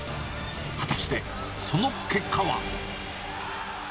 果たしてその結果は。